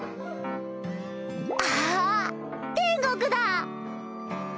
あぁ天国だ